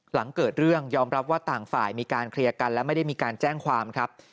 หลังเกิดเรื่องยอมรับว่าต่างฝ่ายมีการเคลียร์กันและไม่ได้มีการแจ้งความครับ